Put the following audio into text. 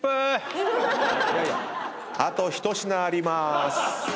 あと１品ありまーす。